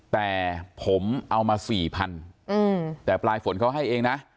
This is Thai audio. แต่ผมเอามาสี่พันแต่ปลายฝนเขาให้เองนะ